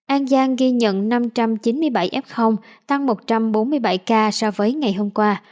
an giang ghi nhận năm trăm chín mươi bảy f tăng một trăm bốn mươi bảy ca so với ngày hôm qua